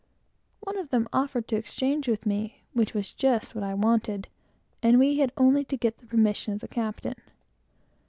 One of them offered to exchange with me; which was just what I wanted; and we had only to get the permission of the captain.